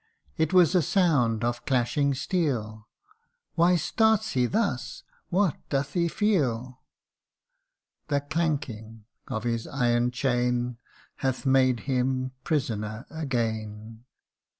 It was a sound of clashing steel Why starts he thus ? what doth he feel ? The clanking of his iron chain Hath made him prisoner again